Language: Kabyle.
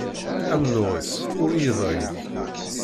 Amennuɣ-is ur yedrig.